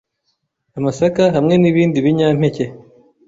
amasaka hamwe n’ibindi binyampeke.